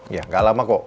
iya gak lama kok